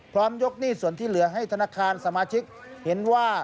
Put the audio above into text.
ยกหนี้ส่วนที่เหลือให้ธนาคารสมาชิกเห็นว่า